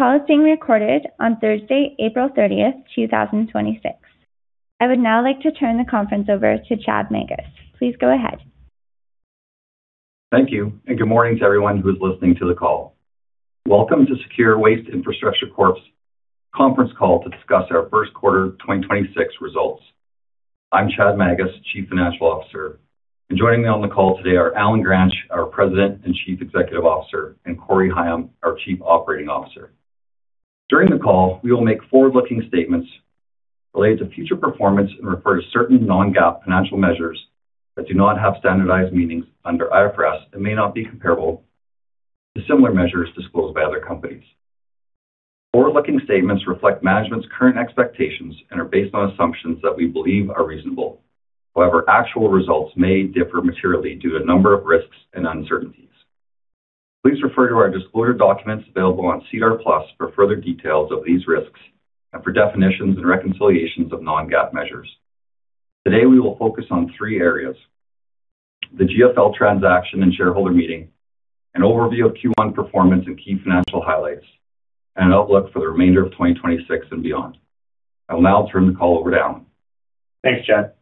Call is being recorded on Thursday, April 30th, 2026. I would now like to turn the conference over to Chad Magus. Please go ahead. Thank you, good morning to everyone who is listening to the call. Welcome to SECURE Waste Infrastructure Corp.'s conference call to discuss our first quarter 2026 results. I'm Chad Magus, Chief Financial Officer. Joining me on the call today are Allen Gransch, our President and Chief Executive Officer, and Corey Higham, our Chief Operating Officer. During the call, we will make forward-looking statements related to future performance and refer to certain non-GAAP financial measures that do not have standardized meanings under IFRS and may not be comparable to similar measures disclosed by other companies. Forward-looking statements reflect management's current expectations and are based on assumptions that we believe are reasonable. However, actual results may differ materially due to a number of risks and uncertainties. Please refer to our disclosure documents available on SEDAR+ for further details of these risks and for definitions and reconciliations of non-GAAP measures. Today, we will focus on 3 areas: the GFL transaction and shareholder meeting, an overview of Q1 performance and key financial highlights, and an outlook for the remainder of 2026 and beyond. I will now turn the call over to Allen. Thanks, Chad.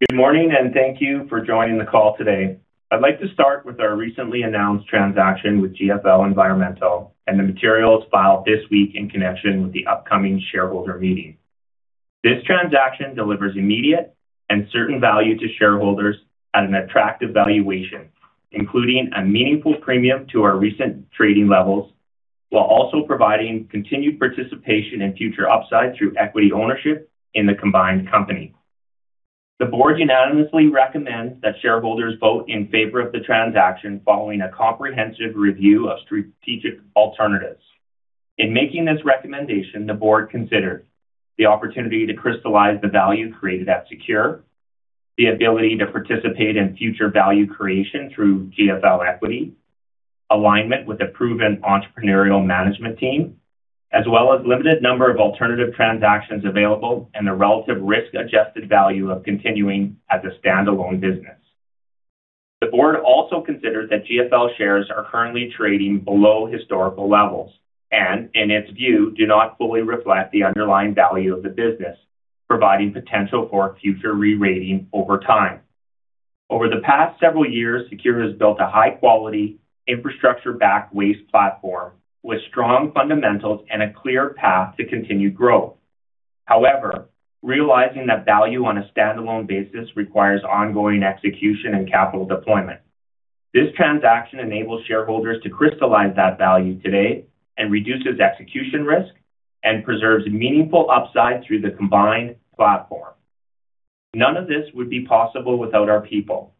Good morning, thank you for joining the call today. I'd like to start with our recently announced transaction with GFL Environmental and the materials filed this week in connection with the upcoming shareholder meeting. This transaction delivers immediate and certain value to shareholders at an attractive valuation, including a meaningful premium to our recent trading levels, while also providing continued participation in future upside through equity ownership in the combined company. The board unanimously recommends that shareholders vote in favor of the transaction following a comprehensive review of strategic alternatives. In making this recommendation, the board considered the opportunity to crystallize the value created at SECURE, the ability to participate in future value creation through GFL equity, alignment with a proven entrepreneurial management team, as well as limited number of alternative transactions available and the relative risk-adjusted value of continuing as a standalone business. The board also considered that GFL shares are currently trading below historical levels, and in its view, do not fully reflect the underlying value of the business, providing potential for future re-rating over time. Over the past several years, SECURE has built a high-quality infrastructure-backed waste platform with strong fundamentals and a clear path to continued growth. However, realizing that value on a standalone basis requires ongoing execution and capital deployment. This transaction enables shareholders to crystallize that value today and reduces execution risk and preserves meaningful upside through the combined platform. None of this would be possible without our people.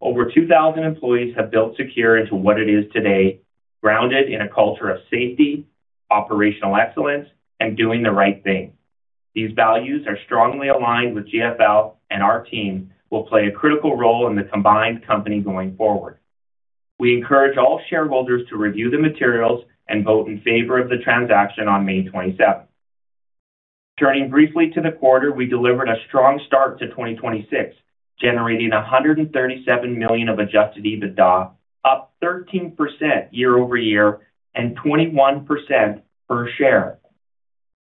Over 2,000 employees have built SECURE into what it is today, grounded in a culture of safety, operational excellence, and doing the right thing. These values are strongly aligned with GFL, and our team will play a critical role in the combined company going forward. We encourage all shareholders to review the materials and vote in favor of the transaction on May 27th. Turning briefly to the quarter, we delivered a strong start to 2026, generating 137 million of Adjusted EBITDA, up 13% year-over-year and 21% per share.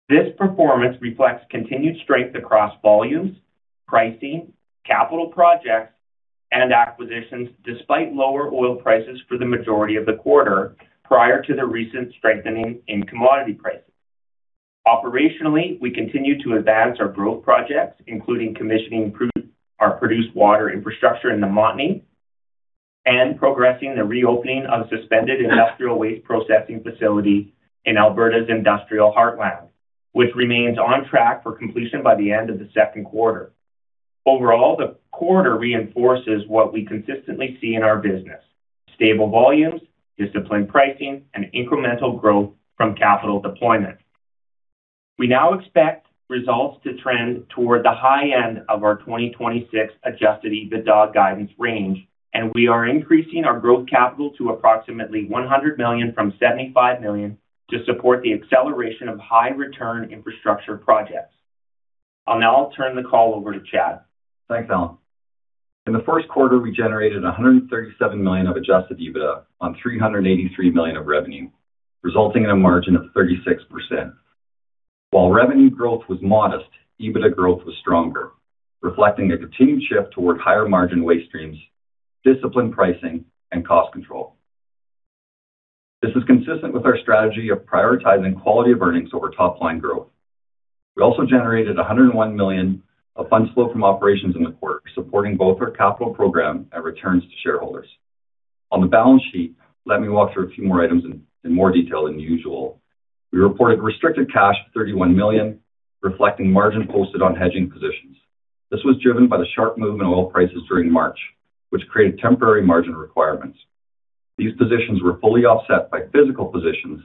This performance reflects continued strength across volumes, pricing, capital projects, and acquisitions despite lower oil prices for the majority of the quarter prior to the recent strengthening in commodity pricing. Operationally, we continue to advance our growth projects, including commissioning our produced water infrastructure in the Montney, and progressing the reopening of suspended industrial waste processing facility in Alberta's industrial heartland, which remains on track for completion by the end of the second quarter. Overall, the quarter reinforces what we consistently see in our business: stable volumes, disciplined pricing, and incremental growth from capital deployment. We now expect results to trend toward the high end of our 2026 Adjusted EBITDA guidance range, and we are increasing our growth capital to approximately 100 million from 75 million to support the acceleration of high-return infrastructure projects. I'll now turn the call over to Chad. Thanks, Allen. In the first quarter, we generated 137 million of Adjusted EBITDA on 383 million of revenue, resulting in a margin of 36%. Revenue growth was modest, EBITDA growth was stronger, reflecting a continued shift toward higher-margin waste streams, disciplined pricing, and cost control. This is consistent with our strategy of prioritizing quality of earnings over top-line growth. We also generated 101 million of funds flow from operations in the quarter, supporting both our capital program and returns to shareholders. On the balance sheet, let me walk through a few more items in more detail than usual. We reported restricted cash of 31 million, reflecting margin posted on hedging positions. This was driven by the sharp movement of oil prices during March, which created temporary margin requirements. These positions were fully offset by physical positions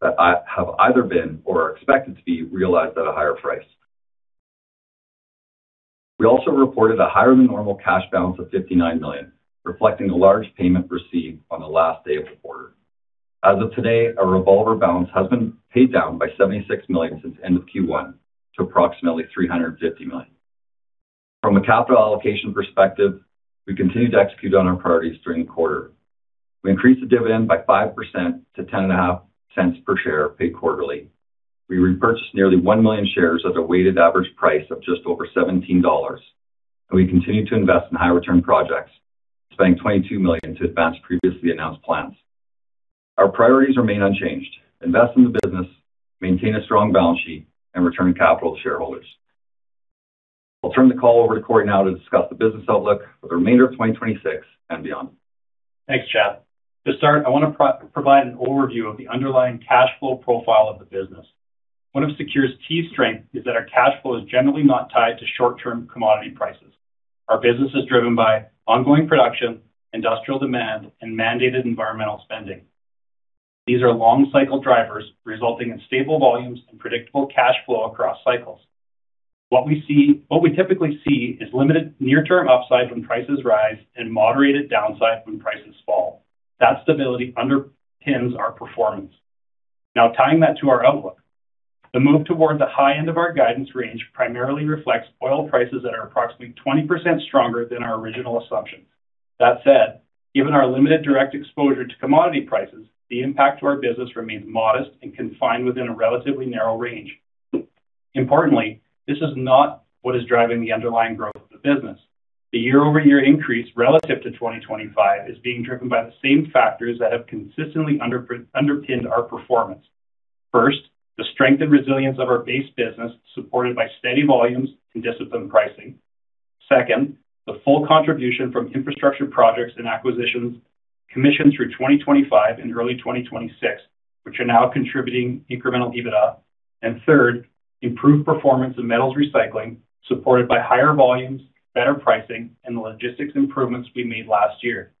that have either been or are expected to be realized at a higher price. We also reported a higher-than-normal cash balance of 59 million, reflecting a large payment received on the last day of the quarter. As of today, our revolver balance has been paid down by 76 million since the end of Q1 to approximately 350 million. From a capital allocation perspective, we continue to execute on our priorities during the quarter. We increased the dividend by 5% to 0.105 per share paid quarterly. We repurchased nearly 1 million shares at a weighted average price of just over 17 dollars. We continue to invest in high return projects, spending 22 million to advance previously announced plans. Our priorities remain unchanged: Invest in the business, maintain a strong balance sheet, and return capital to shareholders. I'll turn the call over to Corey now to discuss the business outlook for the remainder of 2026 and beyond. Thanks, Chad. To start, I wanna provide an overview of the underlying cash flow profile of the business. One of SECURE's key strength is that our cash flow is generally not tied to short-term commodity prices. Our business is driven by ongoing production, industrial demand, and mandated environmental spending. These are long cycle drivers resulting in stable volumes and predictable cash flow across cycles. What we typically see is limited near-term upside when prices rise and moderated downside when prices fall. That stability underpins our performance. Now, tying that to our outlook, the move toward the high end of our guidance range primarily reflects oil prices that are approximately 20% stronger than our original assumption. That said, given our limited direct exposure to commodity prices, the impact to our business remains modest and confined within a relatively narrow range. Importantly, this is not what is driving the underlying growth of the business. The year-over-year increase relative to 2025 is being driven by the same factors that have consistently underpinned our performance. First, the strength and resilience of our base business, supported by steady volumes and disciplined pricing. Second, the full contribution from infrastructure projects and acquisitions commissioned through 2025 and early 2026, which are now contributing incremental EBITDA. Third, improved performance in metals recycling, supported by higher volumes, better pricing, and the logistics improvements we made last year.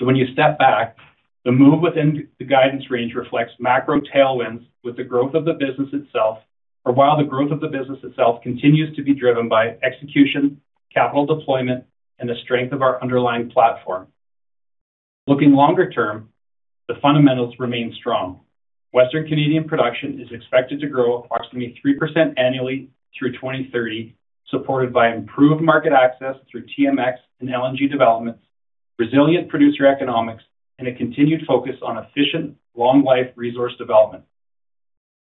When you step back, the move within the guidance range reflects macro tailwinds with the growth of the business itself. While the growth of the business itself continues to be driven by execution, capital deployment, and the strength of our underlying platform. Looking longer term, the fundamentals remain strong. Western Canadian production is expected to grow approximately 3% annually through 2030, supported by improved market access through TMX and LNG development, resilient producer economics, and a continued focus on efficient long life resource development.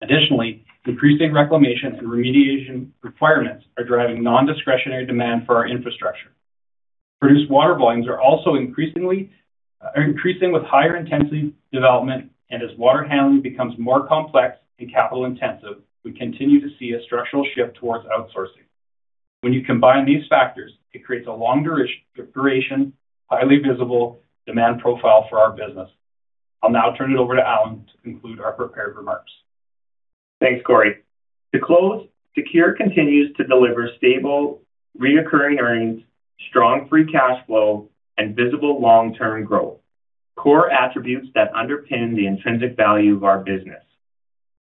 Additionally, increasing reclamation and remediation requirements are driving non-discretionary demand for our infrastructure. Produced water volumes are also increasingly increasing with higher intensity development. As water handling becomes more complex and capital intensive, we continue to see a structural shift towards outsourcing. When you combine these factors, it creates a long duration, highly visible demand profile for our business. I'll now turn it over to Allen to conclude our prepared remarks. Thanks, Corey. To close, SECURE continues to deliver stable, reoccurring earnings, strong free cash flow, and visible long-term growth, core attributes that underpin the intrinsic value of our business.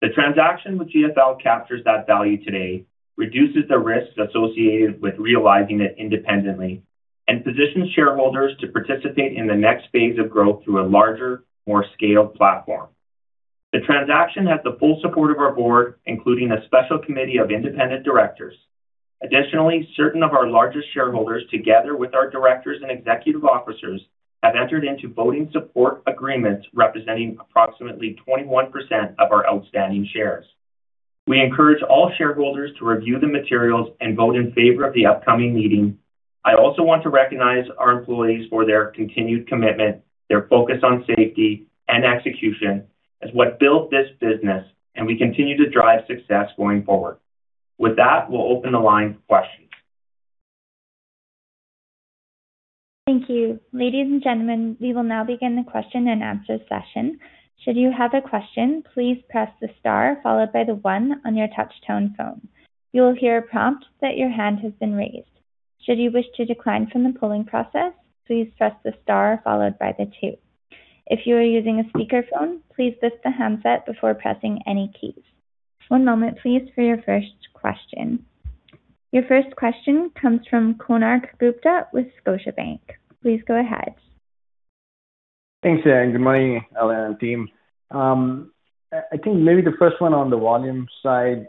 The transaction with GFL captures that value today, reduces the risks associated with realizing it independently, and positions shareholders to participate in the next phase of growth through a larger, more scaled platform. The transaction has the full support of our board, including a special committee of independent directors. Additionally, certain of our largest shareholders, together with our directors and executive officers, have entered into voting support agreements representing approximately 21% of our outstanding shares. We encourage all shareholders to review the materials and vote in favor of the upcoming meeting. I also want to recognize our employees for their continued commitment, their focus on safety and execution as what built this business, and will continue to drive success going forward. With that, we will open the line for questions. Thank you. Ladies and gentlemen, we will now begin the question and answer session. Your first question comes from Konark Gupta with Scotiabank. Please go ahead. Thanks, good morning, Allen and team. I think maybe the first one on the volume side,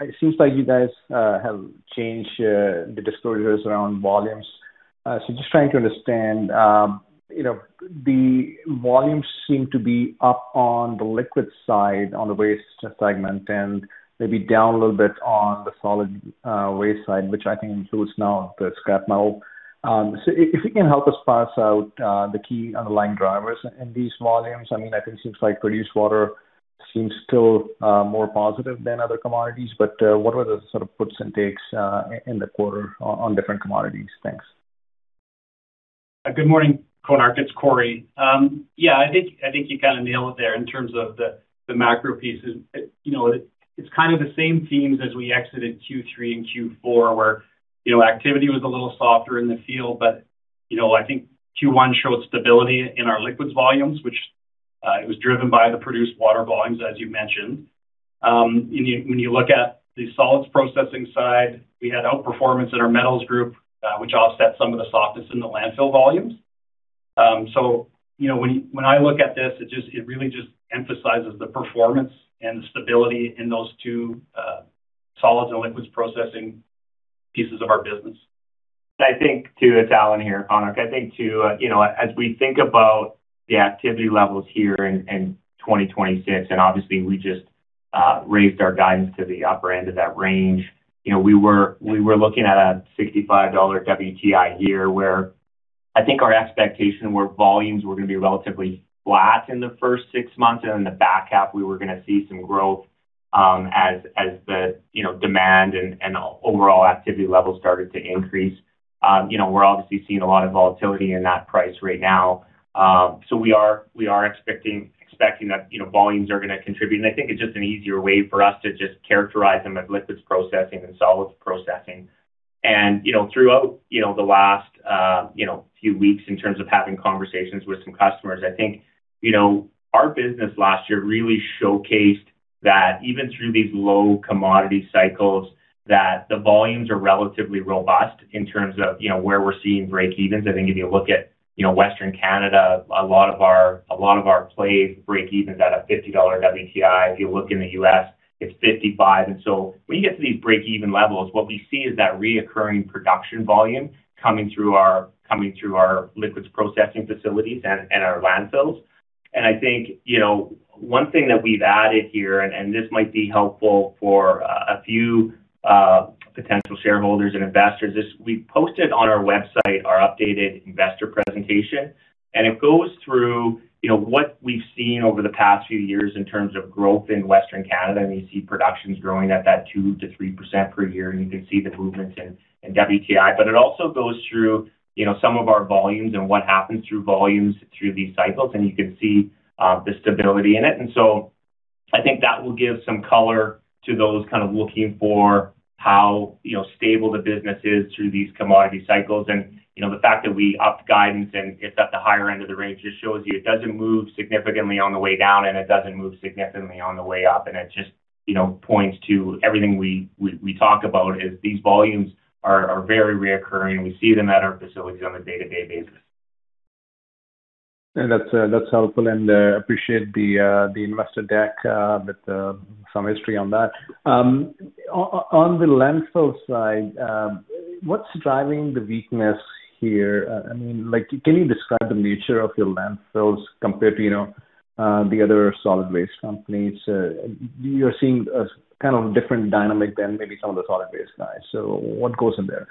it seems like you guys have changed the disclosures around volumes. Just trying to understand, you know, the volumes seem to be up on the liquid side, on the waste segment, and maybe down a little bit on the solid waste side, which I think includes now the scrap metal. If you can help us parse out the key underlying drivers in these volumes. I mean, I think seems like produced water seems still more positive than other commodities, but what are the sort of puts and takes in the quarter on different commodities? Thanks. Good morning, Konark. It's Corey. Yeah, I think you kinda nailed it there in terms of the macro pieces. It, you know, it's kind of the same themes as we exited Q3 and Q4 where, you know, activity was a little softer in the field. You know, I think Q1 showed stability in our liquids volumes, which it was driven by the produced water volumes, as you mentioned. When you look at the solids processing side, we had outperformance in our metals group, which offset some of the softness in the landfill volumes. You know, when I look at this, it really just emphasizes the performance and the stability in those two, solids and liquids processing pieces of our business. I think too, it's Allen here, Konark. I think too, you know, as we think about the activity levels here in 2026. Obviously, we just raised our guidance to the upper end of that range. You know, we were looking at a 65 dollar WTI year where I think our expectation were volumes were going to be relatively flat in the first six months. In the back half, we were going to see some growth as the, you know, demand and overall activity levels started to increase. You know, we're obviously seeing a lot of volatility in that price right now. We are expecting that, you know, volumes are going to contribute. I think it's just an easier way for us to just characterize them as liquids processing and solids processing. You know, throughout, you know, the last, you know, few weeks in terms of having conversations with some customers, I think, you know, our business last year really showcased that even through these low commodity cycles, that the volumes are relatively robust in terms of, you know, where we're seeing breakevens. I think if you look at, you know, Western Canada, a lot of our plays breakevens at a 50 dollar WTI. If you look in the U.S., it's 55. When you get to these breakeven levels, what we see is that reoccurring production volume coming through our liquids processing facilities and our landfills. I think, you know, one thing that we've added here, and this might be helpful for a few potential shareholders and investors, is we posted on our website our updated investor presentation. It goes through, you know, what we've seen over the past few years in terms of growth in Western Canada, and you see productions growing at that 2%-3% per year, and you can see the movements in WTI. It also goes through, you know, some of our volumes and what happens through volumes through these cycles, and you can see the stability in it. I think that will give some color to those kind of looking for how, you know, stable the business is through these commodity cycles. You know, the fact that we upped guidance and it's at the higher end of the range just shows you it doesn't move significantly on the way down, and it doesn't move significantly on the way up. It just, you know, points to everything we talk about is these volumes are very reoccurring. We see them at our facilities on a day-to-day basis. That's, that's helpful, and appreciate the investor deck with some history on that. On the landfill side, what's driving the weakness here? I mean, like, can you describe the nature of your landfills compared to, you know, the other solid waste companies? You're seeing a kind of different dynamic than maybe some of the solid waste guys. What goes in there?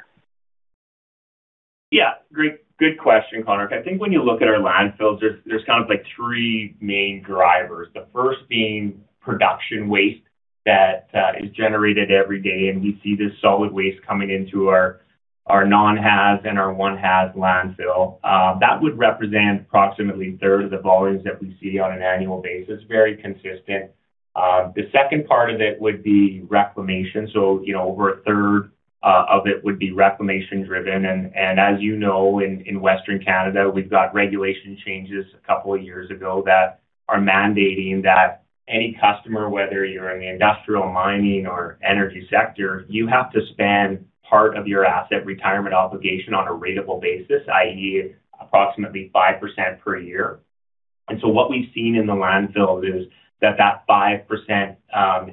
Yeah. Great question, Konark. I think when you look at our landfills, there's kind of like 3 main drivers. The first being production waste that is generated every day, and we see this solid waste coming into our non-haz and our Class 1 haz landfill. That would represent approximately a third of the volumes that we see on an annual basis. Very consistent. The second part of it would be reclamation. You know, over a third of it would be reclamation driven. As you know, in Western Canada, we've got regulation changes two years ago that are mandating that any customer, whether you're in the industrial mining or energy sector, you have to spend part of your Asset Retirement Obligation on a ratable basis, i.e., approximately 5% per year. What we've seen in the landfills is that 5%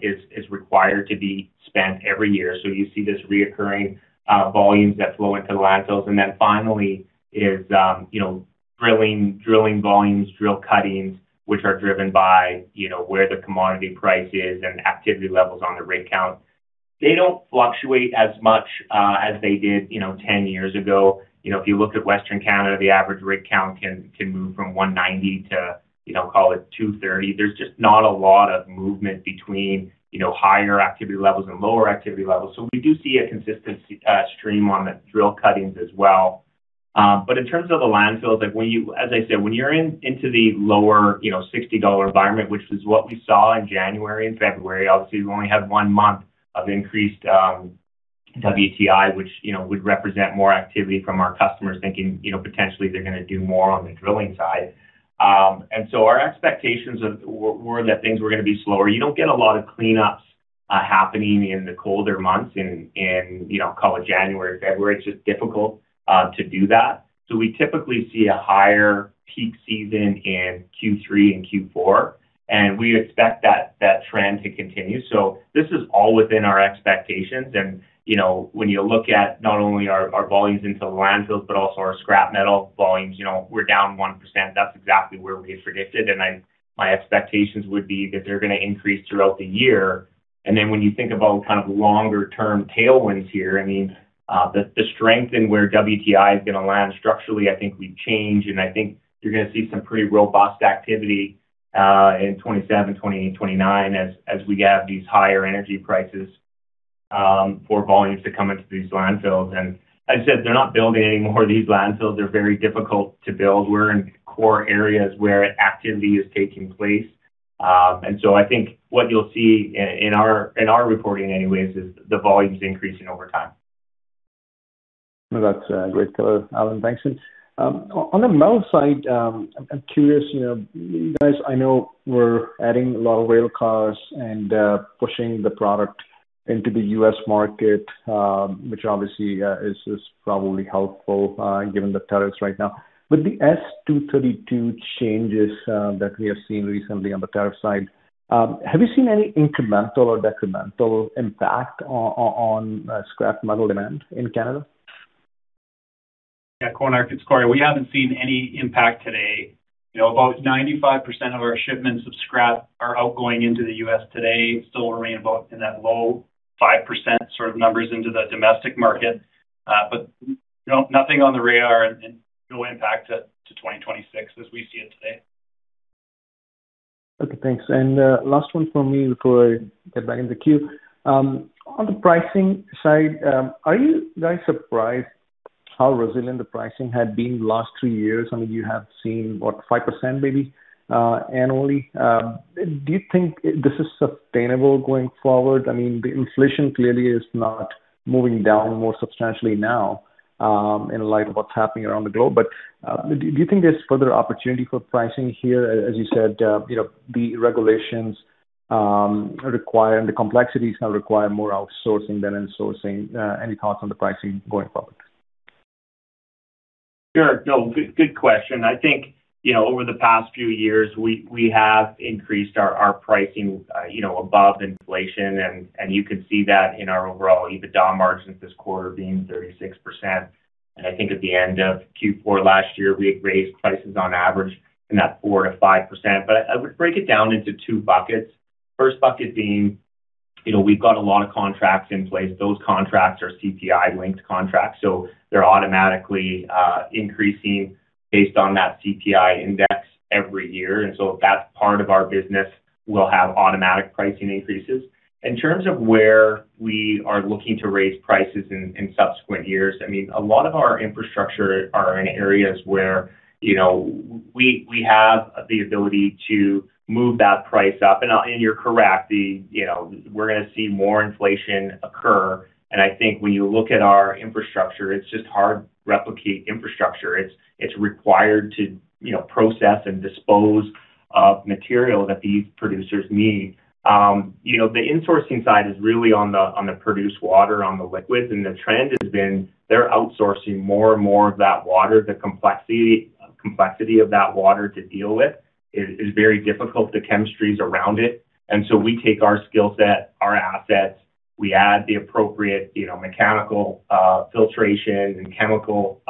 is required to be spent every year. You see this reoccurring volumes that flow into the landfills. Finally is, you know, drilling volumes, drill cuttings, which are driven by, you know, where the commodity price is and activity levels on the rig count. They don't fluctuate as much as they did, you know, 10 years ago. You know, if you look at Western Canada, the average rig count can move from 190 to, you know, call it 230. There's just not a lot of movement between, you know, higher activity levels and lower activity levels. We do see a consistency stream on the drill cuttings as well. In terms of the landfills, like as I said, when you're into the lower, you know, 60 dollar environment, which is what we saw in January and February, obviously, we've only had one month of increased WTI, which, you know, would represent more activity from our customers thinking, you know, potentially they're gonna do more on the drilling side. Our expectations were that things were gonna be slower. You don't get a lot of cleanups happening in the colder months in, you know, call it January, February. It's just difficult to do that. We typically see a higher peak season in Q3 and Q4, and we expect that trend to continue. This is all within our expectations. You know, when you look at not only our volumes into the landfills, but also our scrap metal volumes, you know, we're down 1%. That's exactly where we predicted. My expectations would be that they're gonna increase throughout the year. When you think about kind of longer term tailwinds here, I mean, the strength in where WTI is gonna land structurally, I think we change, and I think you're gonna see some pretty robust activity in 2027, 2028, 2029 as we have these higher energy prices for volumes to come into these landfills. As I said, they're not building any more. These landfills are very difficult to build. We're in core areas where activity is taking place. I think what you'll see in our reporting anyways is the volumes increasing over time. That's great color, Allen. Thanks. On the mill side, I'm curious, you know, you guys I know were adding a lot of rail cars and pushing the product into the U.S. market, which obviously is probably helpful given the tariffs right now. With the Section 232 changes that we have seen recently on the tariff side, have you seen any incremental or decremental impact on scrap metal demand in Canada? Yeah, Konark, it's Corey. We haven't seen any impact today. You know, about 95% of our shipments of scrap are outgoing into the U.S. today, still remain about in that low 5% sort of numbers into the domestic market. Nothing on the radar and no impact to 2026 as we see it today. Okay, thanks. Last one from me before I get back in the queue. On the pricing side, are you guys surprised how resilient the pricing had been the last 3 years? I mean, you have seen, what, 5% maybe, annually. Do you think this is sustainable going forward? I mean, the inflation clearly is not moving down more substantially now, in light of what's happening around the globe. Do you think there's further opportunity for pricing here? As you said, you know, the regulations require and the complexities now require more outsourcing than insourcing. Any thoughts on the pricing going forward? Sure. No, good question. I think, you know, over the past few years, we have increased our pricing, you know, above inflation and you can see that in our overall EBITDA margins this quarter being 36%. I think at the end of Q4 last year, we had raised prices on average in that 4%-5%. I would break it down into two buckets. First bucket being, you know, we've got a lot of contracts in place. Those contracts are CPI-linked contracts, so they're automatically increasing based on that CPI index every year. That part of our business will have automatic pricing increases. In terms of where we are looking to raise prices in subsequent years, I mean, a lot of our infrastructure are in areas where, you know, we have the ability to move that price up. You're correct, the, you know, we're gonna see more inflation occur. I think when you look at our infrastructure, it's just hard to replicate infrastructure. It's, it's required to, you know, process and dispose of material that these producers need. You know, the insourcing side is really on the, on the produced water, on the liquids. The trend has been they're outsourcing more and more of that water. The complexity of that water to deal with is very difficult, the chemistries around it. We take our skill set, our assets, we add the appropriate mechanical filtration and chemical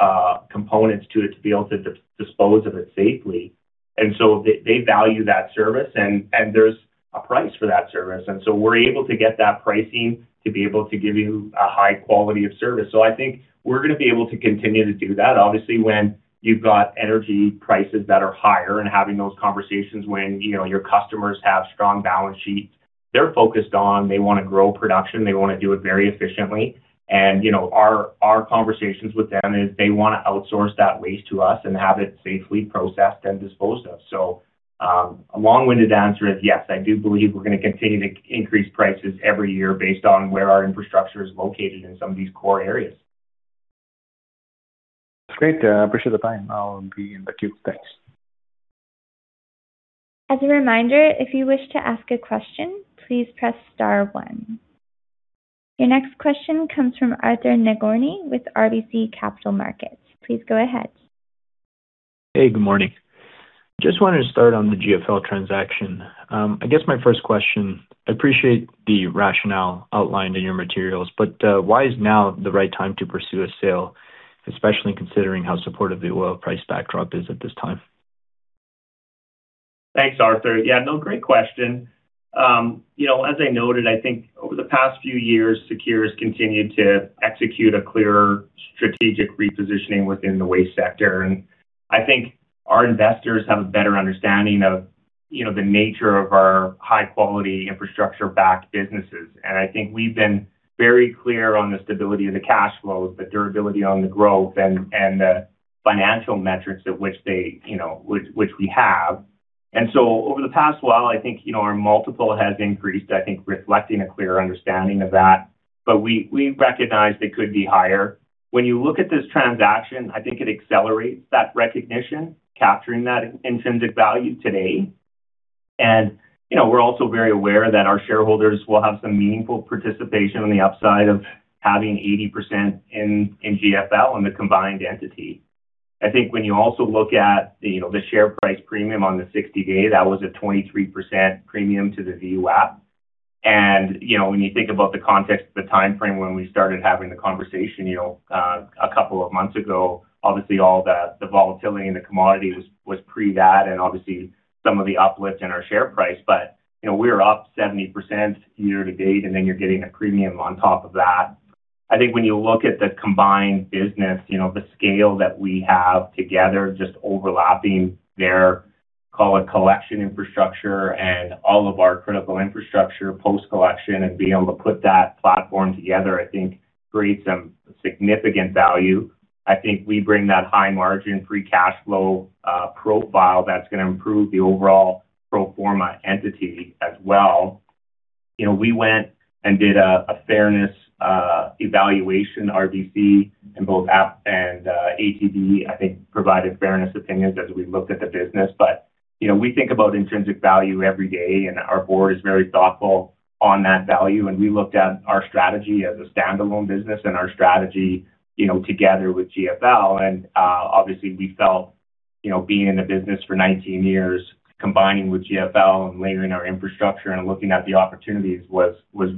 components to it to be able to dispose of it safely. They value that service and there is a price for that service. We are able to get that pricing to be able to give you a high quality of service. I think we are going to be able to continue to do that. Obviously, when you have got energy prices that are higher and having those conversations when your customers have strong balance sheets, they are focused on they want to grow production, they want to do it very efficiently. Our conversations with them is they want to outsource that waste to us and have it safely processed and disposed of. A long-winded answer is yes, I do believe we're going to continue to increase prices every year based on where our infrastructure is located in some of these core areas. That's great. I appreciate the time. I'll be in the queue. Thanks. As a reminder, if you wish to ask a question, please press star one. Your next question comes from Arthur Nagorny with RBC Capital Markets. Please go ahead. Hey, good morning. Just wanted to start on the GFL transaction. I guess my first question, I appreciate the rationale outlined in your materials, but why is now the right time to pursue a sale, especially considering how supportive the oil price backdrop is at this time? Thanks, Arthur. Yeah, no, great question. You know, as I noted, I think over the past few years, SECURE has continued to execute a clearer strategic repositioning within the waste sector. I think our investors have a better understanding of, you know, the nature of our high-quality infrastructure-backed businesses. I think we've been very clear on the stability of the cash flows, the durability on the growth and the financial metrics at which they, you know, which we have. Over the past while, I think, you know, our multiple has increased, I think reflecting a clear understanding of that, but we recognize it could be higher. When you look at this transaction, I think it accelerates that recognition, capturing that intrinsic value today. You know, we're also very aware that our shareholders will have some meaningful participation on the upside of having 80% in GFL Environmental in the combined entity. I think when you also look at, you know, the share price premium on the 60-day, that was a 23% premium to the VWAP. You know, when you think about the context of the timeframe when we started having the conversation, you know, a couple of months ago, obviously all the volatility in the commodity was pre that and obviously some of the uplift in our share price. You know, we're up 70% year to date, and then you're getting a premium on top of that. I think when you look at the combined business, you know, the scale that we have together, just overlapping their, call it, collection infrastructure and all of our critical infrastructure post-collection and being able to put that platform together, I think creates some significant value. I think we bring that high margin, free cash flow profile that's going to improve the overall pro forma entity as well. You know, we went and did a fairness evaluation, RBC, and both ATB, I think, provided fairness opinions as we looked at the business. You know, we think about intrinsic value every day, and our board is very thoughtful on that value. We looked at our strategy as a standalone business and our strategy, you know, together with GFL. Obviously, we felt, you know, being in the business for 19 years, combining with GFL and layering our infrastructure and looking at the opportunities was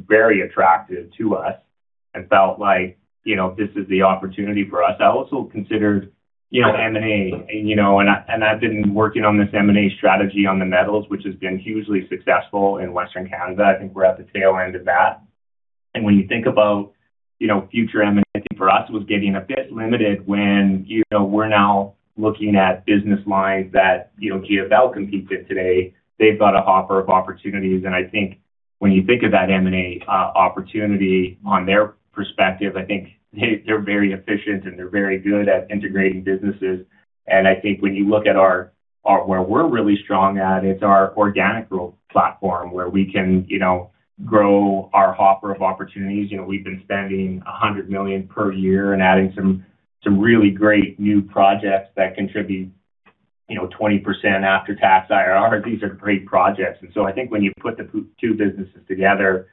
very attractive to us and felt like, you know, this is the opportunity for us. I also considered, you know, M&A, you know. I, and I've been working on this M&A strategy on the metals, which has been hugely successful in Western Canada. I think we're at the tail end of that. When you think about, you know, future M&A, I think for us, it was getting a bit limited when, you know, we're now looking at business lines that, you know, GFL competes in today. They've got a hopper of opportunities. I think when you think of that M&A opportunity on their perspective, I think they're very efficient, and they're very good at integrating businesses. I think when you look at where we're really strong at, it's our organic growth platform where we can, you know, grow our hopper of opportunities. You know, we've been spending 100 million per year and adding some really great new projects that contribute, you know, 20% after-tax IRR. These are great projects. I think when you put the two businesses together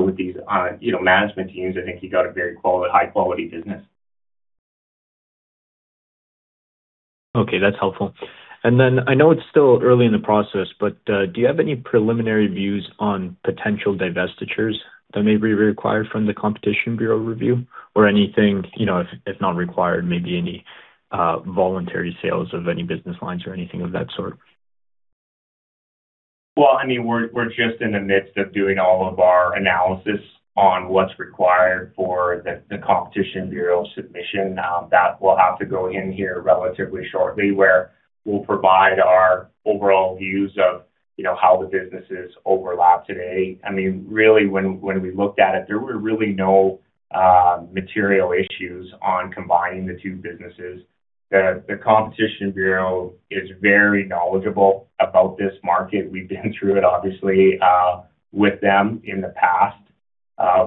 with these, you know, management teams, I think you've got a very high-quality business. Okay, that's helpful. I know it's still early in the process, but do you have any preliminary views on potential divestitures that may be required from the Competition Bureau review or anything, you know, if not required, maybe any voluntary sales of any business lines or anything of that sort? Well, I mean, we're just in the midst of doing all of our analysis on what's required for the Competition Bureau submission that will have to go in here relatively shortly, where we'll provide our overall views of, you know, how the businesses overlap today. I mean, really when we looked at it, there were really no material issues on combining the two businesses. The Competition Bureau is very knowledgeable about this market. We've been through it obviously with them in the past.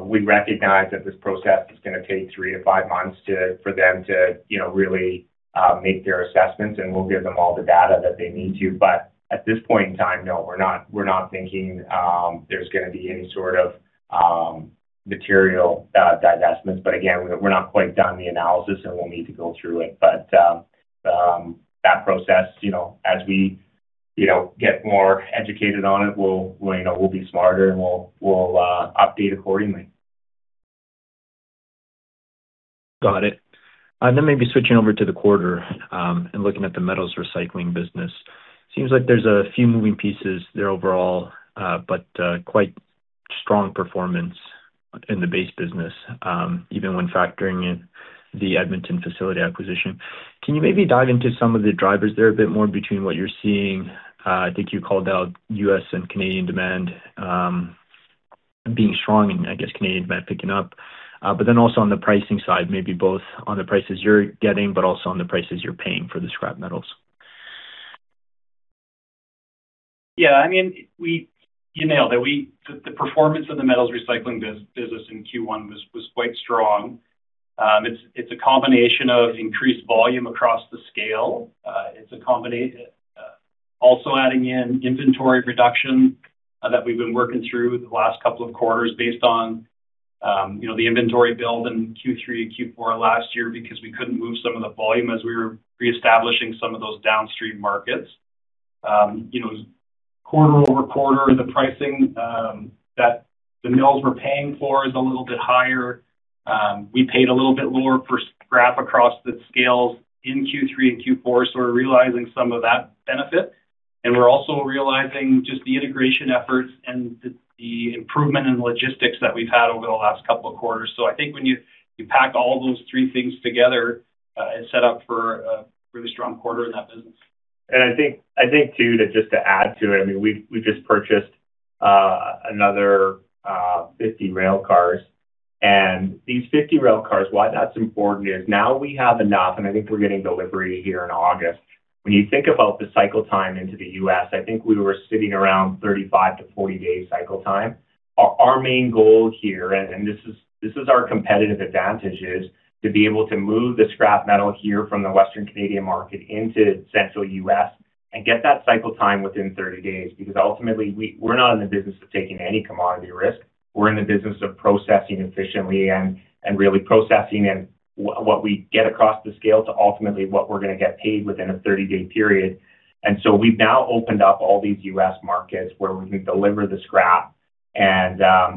We recognize that this process is gonna take 3-5 months for them to, you know, really make their assessments, and we'll give them all the data that they need to. At this point in time, no, we're not thinking there's gonna be any sort of material divestments. Again, we're not quite done the analysis, and we'll need to go through it. That process, you know, as we, you know, get more educated on it, you know, we'll be smarter and we'll update accordingly. Got it. Maybe switching over to the quarter, and looking at the metals recycling business. Seems like there's a few moving pieces there overall, but quite strong performance in the base business, even when factoring in the Edmonton facility acquisition. Can you maybe dive into some of the drivers there a bit more between what you're seeing? I think you called out U.S. and Canadian demand, being strong and I guess Canadian demand picking up. Also on the pricing side, maybe both on the prices you're getting but also on the prices you're paying for the scrap metals. Yeah. I mean, you nailed it. The performance of the metals recycling business in Q1 was quite strong. It's a combination of increased volume across the scale. It's a combination, also adding in inventory reduction, that we've been working through the last couple of quarters based on, you know, the inventory build in Q3 and Q4 last year because we couldn't move some of the volume as we were reestablishing some of those downstream markets. You know, quarter-over-quarter, the pricing that the mills were paying for is a little bit higher. We paid a little bit lower for scrap across the scales in Q3 and Q4, so we're realizing some of that benefit. We're also realizing just the integration efforts and the improvement in logistics that we've had over the last couple of quarters. I think when you pack all of those three things together, it's set up for a really strong quarter in that business. I think too, to just to add to it, I mean, we've just purchased another 50 rail cars. These 50 rail cars, why that's important is now we have enough, and I think we're getting delivery here in August. When you think about the cycle time into the U.S., I think we were sitting around 35-40 days cycle time. Our main goal here, and this is our competitive advantage, is to be able to move the scrap metal here from the Western Canadian market into Central U.S. and get that cycle time within 30 days. Ultimately, we're not in the business of taking any commodity risk. We're in the business of processing efficiently and really processing and what we get across the scale to ultimately what we're gonna get paid within a 30-day period. We've now opened up all these U.S. markets where we can deliver the scrap.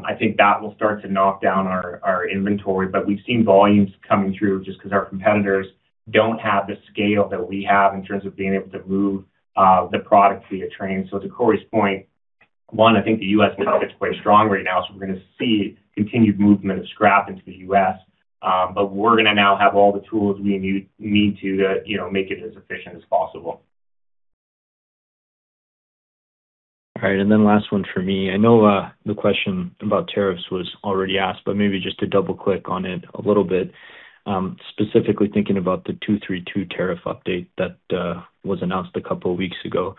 I think that will start to knock down our inventory. We've seen volumes coming through just 'cause our competitors don't have the scale that we have in terms of being able to move the product via train. To Corey's point, 1, I think the U.S. market is quite strong right now, so we're gonna see continued movement of scrap into the U.S. We're gonna now have all the tools we need to, you know, make it as efficient as possible. All right. Last one for me. I know, the question about tariffs was already asked, maybe just to double-click on it a little bit. Specifically thinking about the 232 tariff update that was announced a couple of weeks ago.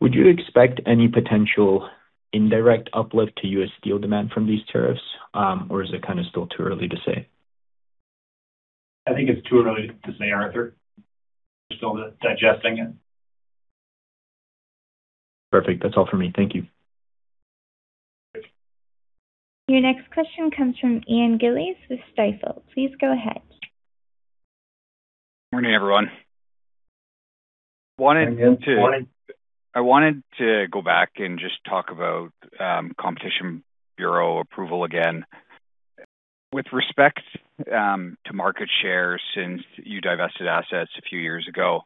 Would you expect any potential indirect uplift to U.S. steel demand from these tariffs? Is it kinda still too early to say? I think it's too early to say, Arthur. We're still digesting it. Perfect. That's all for me. Thank you. Your next question comes from Ian Gillies with Stifel. Please go ahead. Morning, everyone. I wanted to go back and just talk about Competition Bureau approval again. With respect to market share since you divested assets a few years ago,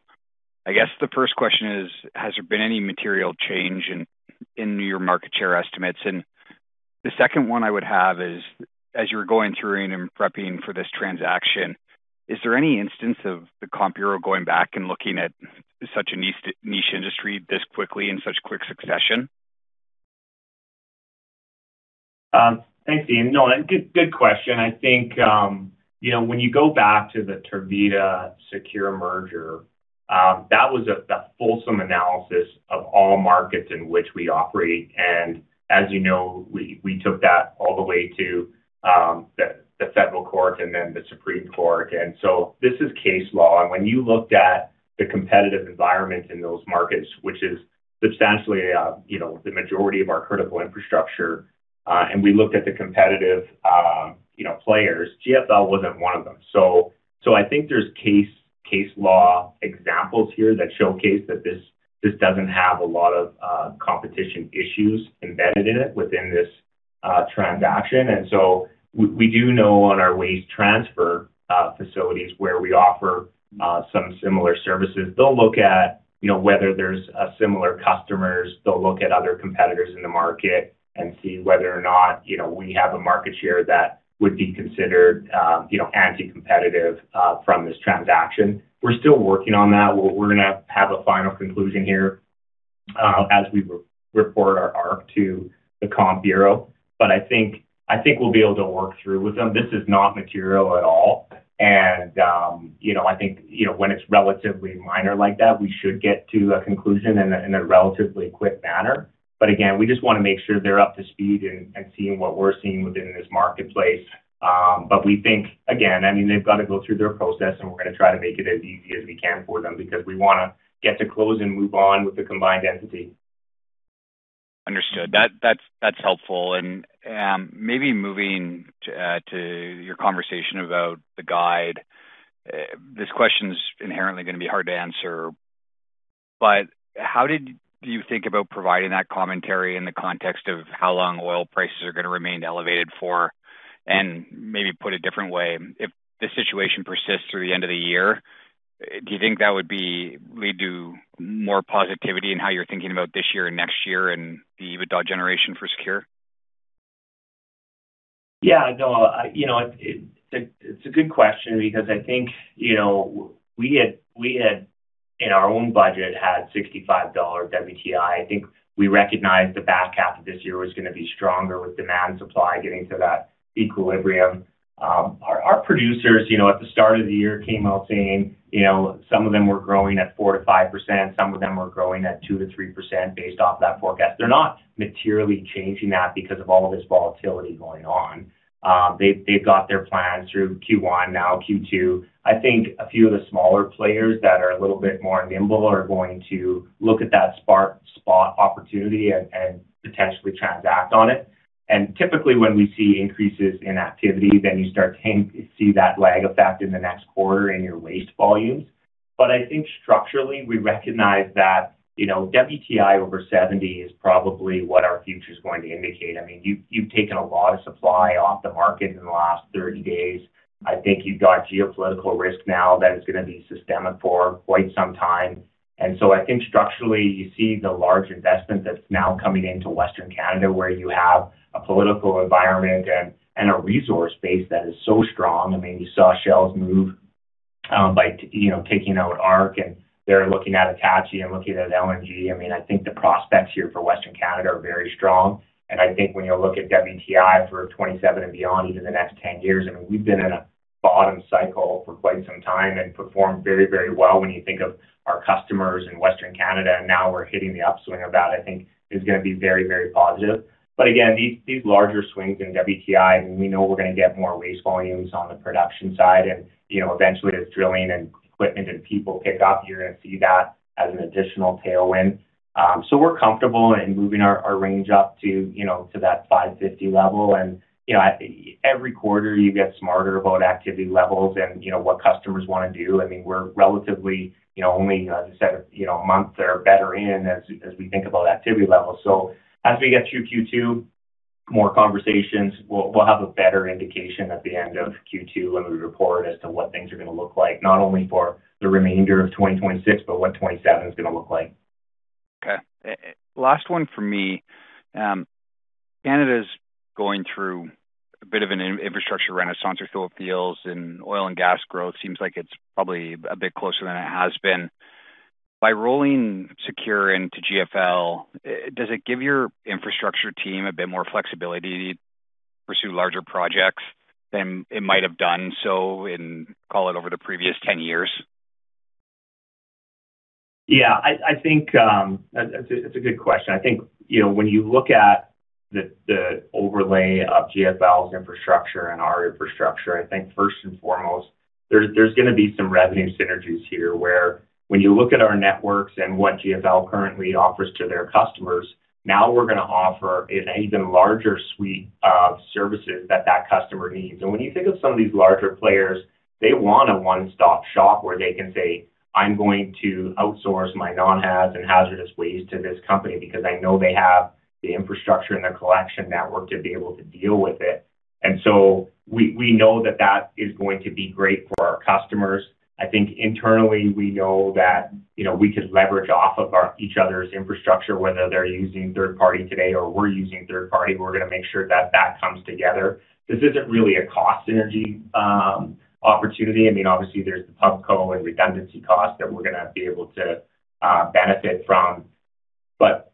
I guess the first question is, has there been any material change in your market share estimates? The second one I would have is, as you were going through and prepping for this transaction, is there any instance of the Comp Bureau going back and looking at such a niche industry this quickly in such quick succession? Thanks, Ian. No, good question. I think, you know, when you go back to the Tervita SECURE merger, that was a, the fulsome analysis of all markets in which we operate. As you know, we took that all the way to the Federal Court and then the Supreme Court. This is case law. When you looked at the competitive environment in those markets, which is substantially, you know, the majority of our critical infrastructure, and we looked at the competitive, you know, players, GFL wasn't 1 of them. I think there's case law examples here that showcase that this doesn't have a lot of competition issues embedded in it within this transaction. We do know on our waste transfer facilities where we offer some similar services. They'll look at, you know, whether there's similar customers. They'll look at other competitors in the market and see whether or not, you know, we have a market share that would be considered, you know, anti-competitive from this transaction. We're still working on that. We're gonna have a final conclusion here as we re-report our ARC to the Competition Bureau. I think we'll be able to work through with them. This is not material at all. You know, I think, you know, when it's relatively minor like that, we should get to a conclusion in a relatively quick manner. Again, we just wanna make sure they're up to speed and seeing what we're seeing within this marketplace. We think, again, I mean, they've got to go through their process, and we're gonna try to make it as easy as we can for them because we wanna get to close and move on with the combined entity. Understood. That's helpful. Maybe moving to your conversation about the guide. This question's inherently gonna be hard to answer. How did you think about providing that commentary in the context of how long oil prices are gonna remain elevated for? Maybe put a different way, if this situation persists through the end of the year, do you think that would lead to more positivity in how you're thinking about this year and next year and the EBITDA generation for SECURE? Yeah, no, I, you know, it's a good question because I think, you know, we had in our own budget had $65 WTI. I think we recognized the back half of this year was gonna be stronger with demand supply getting to that equilibrium. Our producers, you know, at the start of the year came out saying, you know, some of them were growing at 4%-5%, some of them were growing at 2%-3% based off that forecast. They're not materially changing that because of all of this volatility going on. They've got their plans through Q1 now Q2. I think a few of the smaller players that are a little bit more nimble are going to look at that spot opportunity and potentially transact on it. Typically, when we see increases in activity, then you start seeing that lag effect in the next quarter in your waste volumes. I think structurally, we recognize that, you know, WTI over 70 is probably what our future is going to indicate. I mean, you've taken a lot of supply off the market in the last 30 days. I think you've got geopolitical risk now that is going to be systemic for quite some time. I think structurally, you see the large investment that's now coming into Western Canada, where you have a political environment and a resource base that is so strong. I mean, you saw Shell's move, by, you know, taking out ARC, and they're looking at Itachi and looking at LNG. I mean, I think the prospects here for Western Canada are very strong. I think when you look at WTI for 2027 and beyond into the next 10 years, I mean, we've been in a bottom cycle for quite some time and performed very, very well when you think of our customers in Western Canada, and now we're hitting the upswing of that, I think is gonna be very, very positive. Again, these larger swings in WTI, and we know we're gonna get more waste volumes on the production side. You know, eventually as drilling and equipment and people pick up, you're gonna see that as an additional tailwind. We're comfortable in moving our range up to, you know, to that 550 level. You know, every quarter, you get smarter about activity levels and, you know, what customers wanna do. I mean, we're relatively, you know, only, as I said, you know, a month or better in as we think about activity levels. As we get through Q2, more conversations, we'll have a better indication at the end of Q2 when we report as to what things are going to look like, not only for the remainder of 2026, but what 2027 is going to look like. Okay. Last one for me. Canada's going through a bit of an infrastructure renaissance with oil fields and oil and gas growth. Seems like it's probably a bit closer than it has been. By rolling SECURE into GFL, does it give your infrastructure team a bit more flexibility to pursue larger projects than it might have done so in, call it over the previous 10 years? I think that's a good question. I think, you know, when you look at the overlay of GFL's infrastructure and our infrastructure, I think first and foremost, there's going to be some revenue synergies here, where when you look at our networks and what GFL currently offers to their customers, now we're going to offer an even larger suite of services that that customer needs. When you think of some of these larger players, they want a one-stop shop where they can say, "I'm going to outsource my non-haz and hazardous waste to this company because I know they have the infrastructure and the collection network to be able to deal with it." We know that that is going to be great for our customers. I think internally we know that, you know, we could leverage off of our each other's infrastructure, whether they're using third party today or we're using third party. We're going to make sure that that comes together. This isn't really a cost synergy opportunity. I mean, obviously there's the pubco and redundancy cost that we're going to be able to benefit from.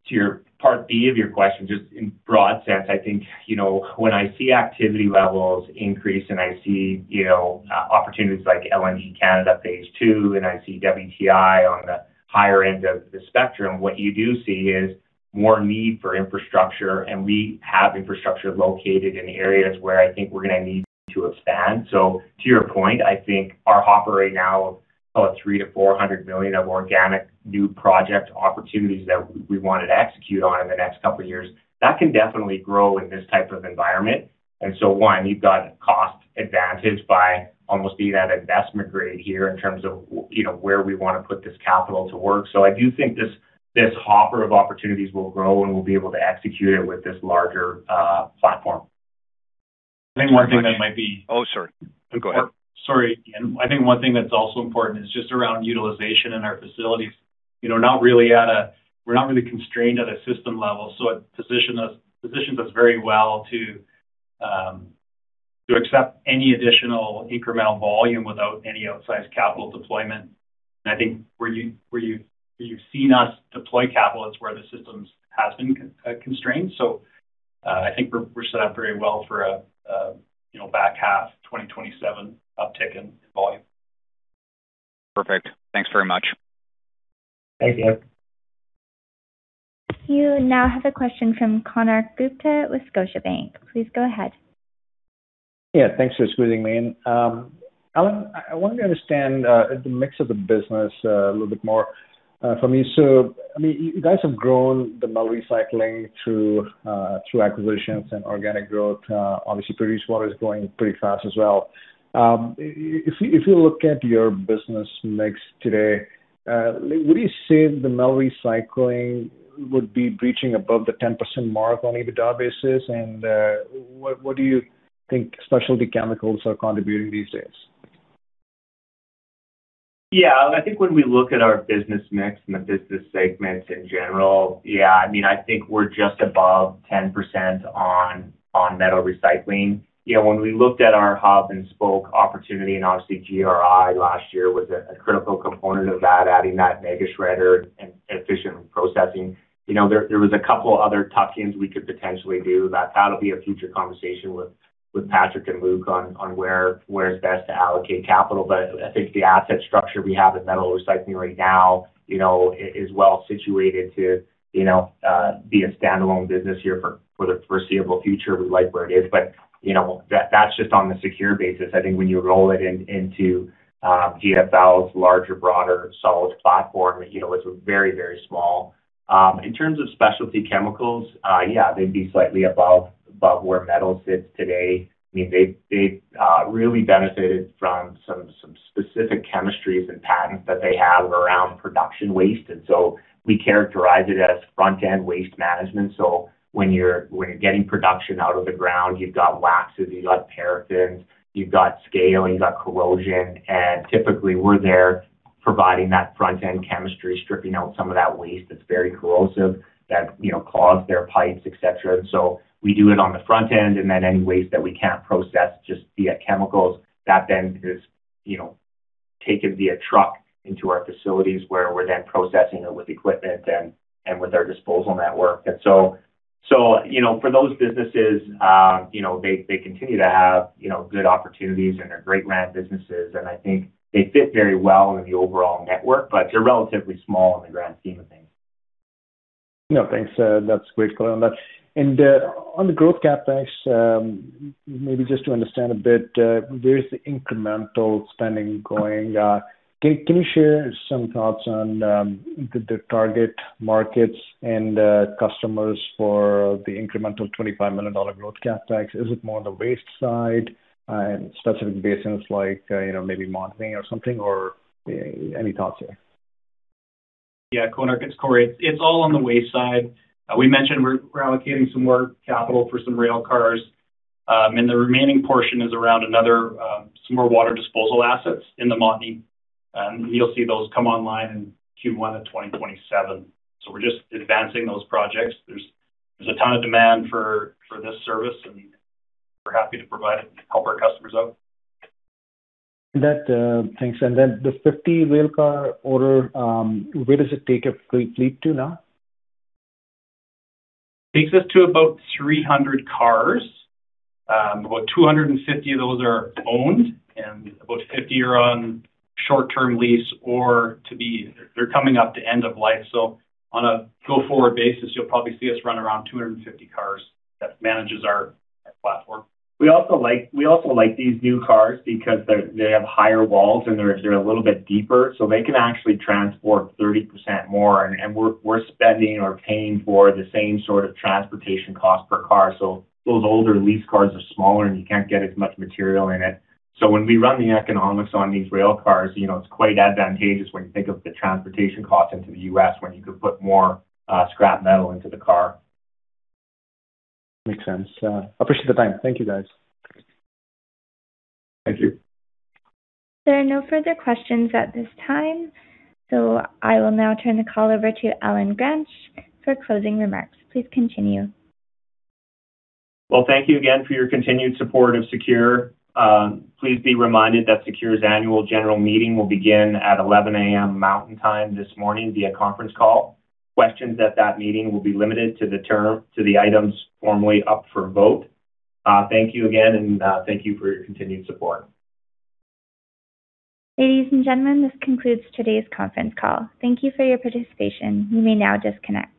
To your part B of your question, just in broad sense, I think, you know, when I see activity levels increase and I see, you know, opportunities like LNG Canada Phase II, and I see WTI on the higher end of the spectrum, what you do see is more need for infrastructure, and we have infrastructure located in the areas where I think we're going to need to expand. To your point, I think our hopper right now of call it 300 million-400 million of organic new project opportunities that we wanted to execute on in the next two years, that can definitely grow in this type of environment. One, you've got cost advantage by almost being at investment grade here in terms of you know, where we wanna put this capital to work. I do think this hopper of opportunities will grow, and we'll be able to execute it with this larger platform. I think one thing that might be-. Oh, sorry. No, go ahead. Sorry. I think one thing that's also important is just around utilization in our facilities. You know, we're not really constrained at a system level, so it positions us very well to accept any additional incremental volume without any outsized capital deployment. I think where you've seen us deploy capital, it's where the system has been constrained. I think we're set up very well for a, you know, back half 2027 uptick in volume. Perfect. Thanks very much. Thank you. You now have a question from Konark Gupta with Scotiabank. Please go ahead. Yeah. Thanks for squeezing me in. Allen, I wanted to understand the mix of the business a little bit more for me. I mean, you guys have grown the metal recycling through acquisitions and organic growth. Obviously produced water is growing pretty fast as well. If you look at your business mix today, would you say the metal recycling would be breaching above the 10% mark on EBITDA basis? What do you think specialty chemicals are contributing these days? I think when we look at our business mix and the business segments in general, I mean, I think we're just above 10% on metal recycling. You know, when we looked at our hub and spoke opportunity, and obviously GRI last year was a critical component of that, adding that mega shredder and efficient processing. You know, there was a couple other tuck-ins we could potentially do. That'll be a future conversation with Patrick and Luke on where it's best to allocate capital. I think the asset structure we have in metal recycling right now, you know, is well-situated to, you know, be a standalone business here for the foreseeable future. We like where it is. You know, that's just on the SECURE basis. I think when you roll it into GFL's larger, broader, solid platform, you know, it's very, very small. In terms of specialty chemicals, yeah, they'd be slightly above where metal sits today. I mean, they've really benefited from some specific chemistries and patents that they have around production waste. We characterize it as front-end waste management. When you're getting production out of the ground, you've got waxes, you've got paraffins, you've got scale, you've got corrosion. Typically, we're there providing that front-end chemistry, stripping out some of that waste that's very corrosive, that, you know, clogs their pipes, et cetera. We do it on the front end, and then any waste that we can't process just via chemicals, that then is, you know, taken via truck into our facilities, where we're then processing it with equipment and with our disposal network. For those businesses, you know, they continue to have, you know, good opportunities and they're great ran businesses, and I think they fit very well in the overall network, but they're relatively small in the grand scheme of things. No, thanks. That's great color on that. On the growth CapEx, maybe just to understand a bit, where is the incremental spending going? Can you share some thoughts on the target markets and customers for the incremental 25 million dollar growth CapEx? Is it more on the waste side and specific basins like, you know, maybe Montney or something, or any thoughts there? Yeah. Konark, it's Corey. It's all on the waste side. We mentioned we're allocating some more capital for some rail cars. The remaining portion is around another, some more water disposal assets in the Montney, and you'll see those come online in Q1 of 2027. We're just advancing those projects. There's a ton of demand for this service, and we're happy to provide it and help our customers out. Thanks. Then the 50 rail car order, where does it take you complete to now? Takes us to about 300 cars. About 250 of those are owned and about 50 are on short-term lease or They're coming up to end of life. On a go-forward basis, you'll probably see us run around 250 cars. That manages our platform. We also like these new cars because they have higher walls, and they're a little bit deeper, so they can actually transport 30% more. We're spending or paying for the same sort of transportation cost per car. Those older lease cars are smaller, and you can't get as much material in it. When we run the economics on these rail cars, you know, it's quite advantageous when you think of the transportation cost into the U.S. when you can put more scrap metal into the car. Makes sense. Appreciate the time. Thank you, guys. Thank you. There are no further questions at this time. I will now turn the call over to Allen Gransch for closing remarks. Please continue. Well, thank you again for your continued support of SECURE. Please be reminded that SECURE's annual general meeting will begin at 11:00 A.M. Mountain Time this morning via conference call. Questions at that meeting will be limited to the items formally up for vote. Thank you again, and, thank you for your continued support. Ladies and gentlemen, this concludes today's conference call. Thank you for your participation. You may now disconnect.